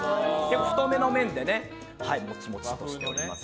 太めの麺でモチモチとしております。